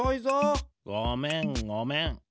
ごめんごめん。